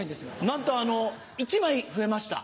なんとあの１枚増えました。